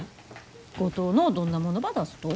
五島のどんなものば出すと？